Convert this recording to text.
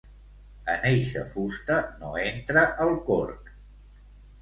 En eixa fusta no entra el corc.